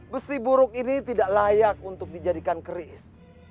besi buruk ini tidak layak untuk dijadikan keris